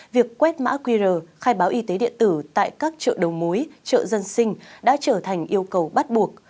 việc quét mã qr khai báo y tế điện tử tại các chợ đầu mối chợ dân sinh đã trở thành yêu cầu bắt buộc